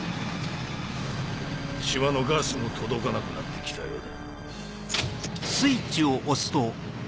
島のガスも届かなくなって来たようだ。